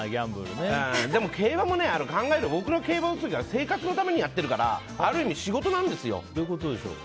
でも競馬も、考えれば僕は競馬を生活のためにやっているからある意味、仕事なんですよ。